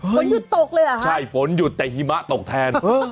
ฝนหยุดตกเลยเหรอคะใช่ฝนหยุดแต่หิมะตกแทน